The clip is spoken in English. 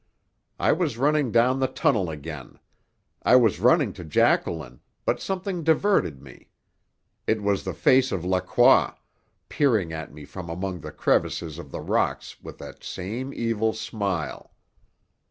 I was running down the tunnel again. I was running to Jacqueline, but something diverted me. It was the face of Lacroix, peering at me from among the crevices of the rocks with the same evil smile.